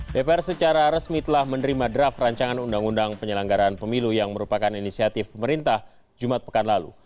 dpr secara resmi telah menerima draft rancangan undang undang penyelenggaraan pemilu yang merupakan inisiatif pemerintah jumat pekan lalu